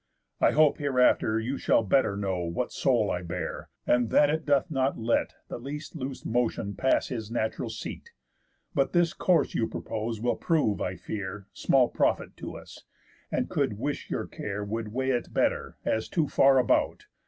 I hope, hereafter, you shall better know What soul I bear, and that it doth not let The least loose motion pass his natural seat. But this course you propose will prove, I fear, Small profit to us; and could wish your care Would weigh it better as too far about.